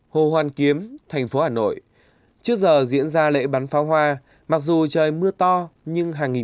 hồ hoàn kiếm thành phố hà nội trước giờ diễn ra lễ bắn pháo hoa mặc dù trời mưa to nhưng hàng nghìn